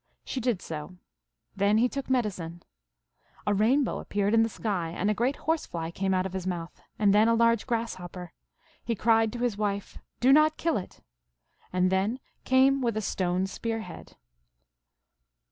She did so. Then he took medicine. A rainbow appeared in the sky, and a great horse fly came out of his mouth, and then a large grasshopper. He cried to his wife, Do not kill it ! And then came a stone spear head.